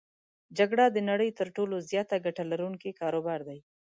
جګړه د نړی تر ټولو زیاته ګټه لرونکی کاروبار دی.